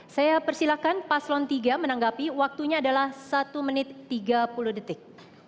saya persilahkan paslon tiga menanggapi waktunya adalah satu menit tiga puluh detik